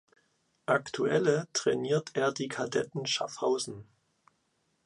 Aktuelle trainiert er die Kadetten Schaffhausen.